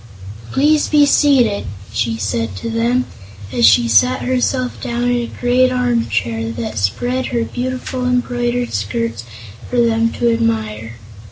"Please be seated," she said to them, as she sat herself down in a great arm chair and spread her beautiful embroidered skirts for them to admire.